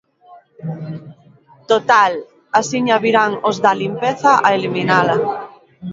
Total, axiña virán os da limpeza a eliminala.